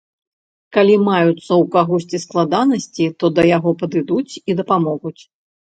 Калі маюцца ў кагосьці складанасці, то да яго падыдуць і дапамогуць.